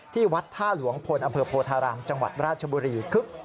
ที่วัดท่าหลวงพลอำเภอโพธารามจังหวัดราชบุรีคึก